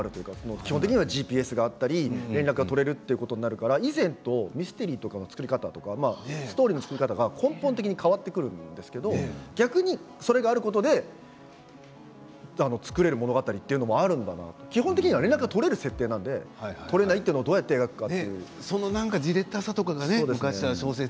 基本的にはＧＰＳだったり連絡が取れることができるから以前とミステリーを作る時作り方が根本的に変わってくるんですけど、それが逆にあることで作れる物語もあるんだと基本的には連絡が取れる設定なので取れないのをどうやって描くか。